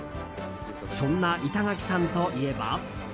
そんな板垣さんといえば。